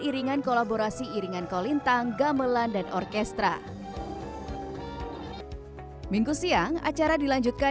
iringan kolaborasi iringan kolintang gamelan dan orkestra minggu siang acara dilanjutkan